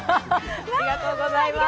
ありがとうございます。